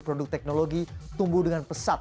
produk teknologi tumbuh dengan pesat